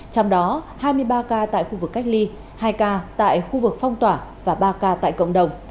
trong đó hai mươi ba ca tại khu vực cách ly hai ca tại khu vực phong tỏa và ba ca tại cộng đồng